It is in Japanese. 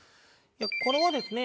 これはですね